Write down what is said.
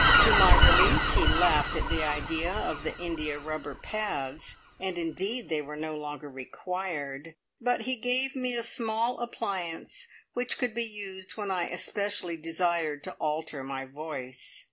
To my relief he laughed at the idea of the india rubber pads, and indeed they were no longer required, but he gave me a small appliance which could be used when I especially desired to alter my voice.